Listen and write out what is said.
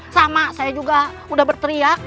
sama saya juga udah berteriak